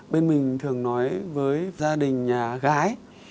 bên mình thường nói với gia đình gái